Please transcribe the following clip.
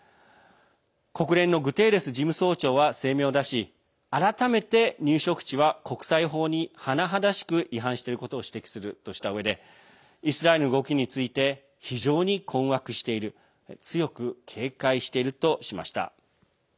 国連のグテーレス事務総長は声明を出し改めて入植地は国際法に甚だしく違反していることを指摘するとしたうえでイスラエルの動きについて非常に困惑している深く警戒しているとしました。